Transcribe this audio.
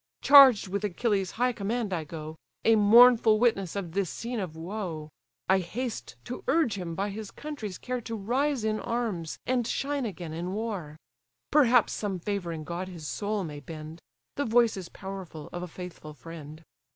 Charged with Achilles' high command I go, A mournful witness of this scene of woe; I haste to urge him by his country's care To rise in arms, and shine again in war. Perhaps some favouring god his soul may bend; The voice is powerful of a faithful friend."